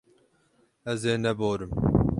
Ez ê neborim.